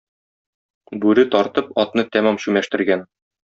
Бүре тартып атны тәмам чүмәштергән.